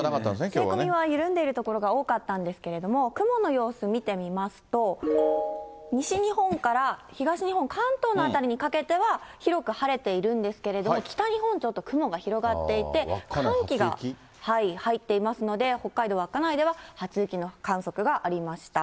冷え込みは緩んでいる所が多かったんですけど、雲の様子見てみますと、西日本から東日本、関東の辺りにかけては広く晴れているんですけれども、北日本ちょっと雲が広がっていて、寒気が入っていますので、北海道稚内では初雪の観測がありました。